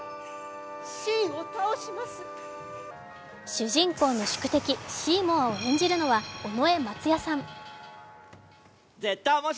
主人公の宿敵・シーモアを演じるのは尾上松也さん。